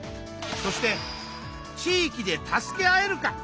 そして「地域で助け合えるか？」